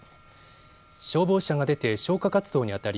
消防車が出て消火活動にあたり